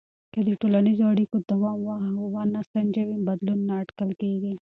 که د ټولنیزو اړیکو دوام ونه سنجوې، بدلون نه اټکل کېږي.